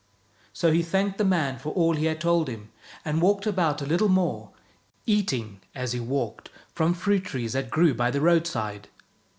So he thanked the man for all he had told him, and walked about a little more, eating, as he walked, from fruit trees that grew by the roadside.